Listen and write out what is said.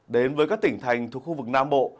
đến với các tỉnh thành thuộc khu vực nam bộ